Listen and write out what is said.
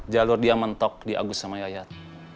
jalur dia mentok di agus sama yayat